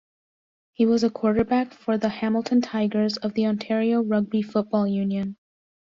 He was a quarterback for the Hamilton Tigers of the Ontario Rugby Football Union.